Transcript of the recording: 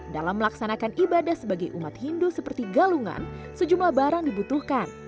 dalam melaksanakan ibadah sebagai umat hindu seperti galungan sejumlah barang dibutuhkan